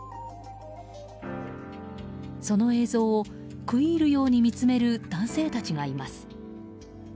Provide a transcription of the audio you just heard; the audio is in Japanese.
その映像を食い入るように見つめる男性たちがいます。